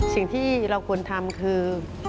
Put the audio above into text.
สิ่งที่เราควรทำคือ